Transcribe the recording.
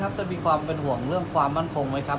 จะมีความเป็นห่วงเรื่องความมั่นคงไหมครับ